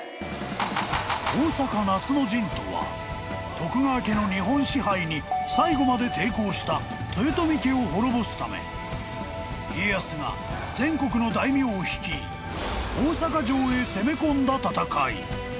［徳川家の日本支配に最後まで抵抗した豊臣家を滅ぼすため家康が全国の大名を率い大坂城へ攻め込んだ戦い］